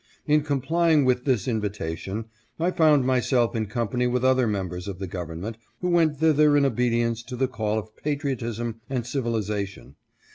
"In complying with this invitation, I found myself in company with other members of the government who went thither in obedience to the call of patriotism and civilization.